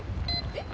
えっ？